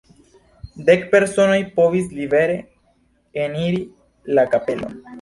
Dek personoj povis libere eniri la kapelon.